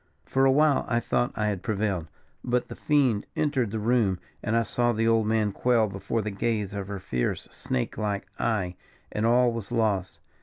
For a while I thought I had prevailed; but the fiend entered the room, and I saw the old man quail before the gaze of her fierce, snake like eye, and all was lost.